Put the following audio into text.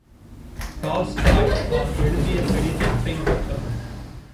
Tolstoy தான் எழுதியக் கடிதத்தை முடித்தார்.